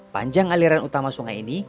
panjang aliran utama ini